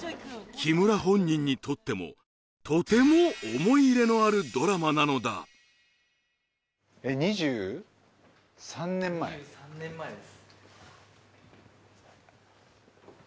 木村本人にとってもとても思い入れのあるドラマなのだ２３年前です